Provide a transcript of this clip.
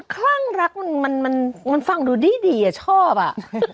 คลั่งรักมันฟังดูดีชอบอ่ะ